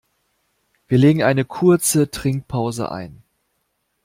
Wir legen eine kurze Trinkpause ein.